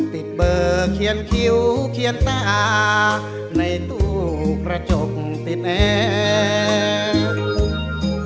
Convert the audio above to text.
ติดเบอร์เขียนคิ้วเขียนตาในตู้กระจกติดแอร์